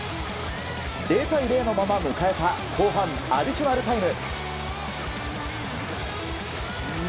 ０対０のまま迎えた後半アディショナルタイム。